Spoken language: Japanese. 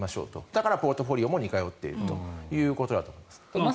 だから、ポートフォリオも似通っているということだと思います。